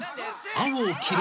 青を切る？］